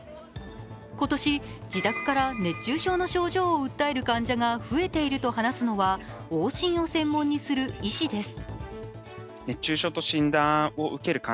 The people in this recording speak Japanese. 今年、自宅から熱中症の症状を訴える患者が増えていると話すのは往診を専門にする医師です。